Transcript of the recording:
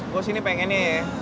gue sini pengennya ya